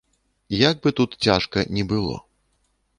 Як бы тут цяжка ні было.